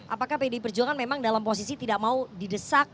apakah pdi perjuangan memang dalam posisi tidak mau didesak